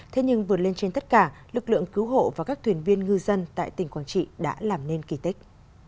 thế nhưng vượt lên trên tất cả lực lượng cứu hộ và các thuyền viên ngư dân tại tỉnh quảng trị đã làm nên kỳ tích